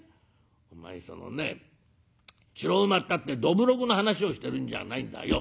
「お前そのね白馬ったってどぶろくの話をしてるんじゃないんだよ。